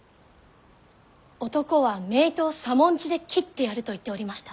男は「名刀左文字で斬ってやる」と言っておりました。